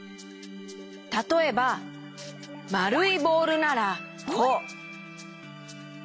たとえばまるいボールならこう。